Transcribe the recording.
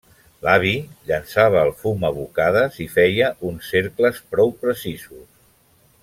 L'avi llençava el fum a bocades i feia uns cercles prou precisos.